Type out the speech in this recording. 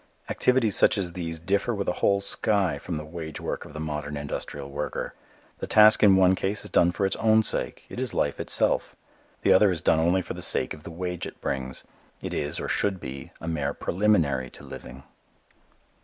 Activities such as these differ with a whole sky from the wage work of the modern industrial worker. The task in one case is done for its own sake. It is life itself. The other is done only for the sake of the wage it brings. It is, or should be, a mere preliminary to living.